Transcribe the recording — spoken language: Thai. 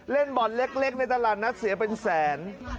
เล่นบ่อนเล็กในตลาดนัดเสียเป็นแสน